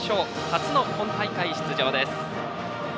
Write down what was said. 初の本大会出場です。